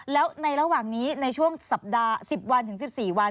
แล้วในระหว่างนี้ในช่วงสัปดาห์๑๐วันถึง๑๔วัน